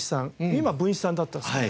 今文枝さんだったですね。